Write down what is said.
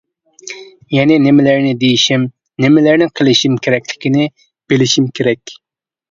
يەنى نېمىلەرنى دېيىشىم، نېمىلەرنى قىلىشىم كېرەكلىكىنى بىلىشىم كېرەك.